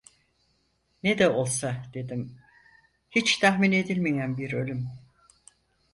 "Ne de olsa" dedim, "hiç tahmin edilmeyen bir ölüm!"